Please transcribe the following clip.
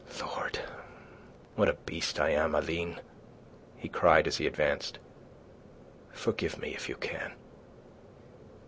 "Lord, what a beast I am, Aline!" he cried, as he advanced. "Forgive me if you can."